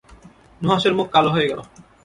নুহাশের মুখ কাল হয়ে গেল।